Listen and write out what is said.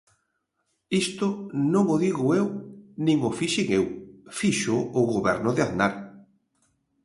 Isto non o digo eu, nin o fixen eu, fíxoo o Goberno de Aznar.